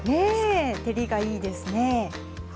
ね照りがいいですね。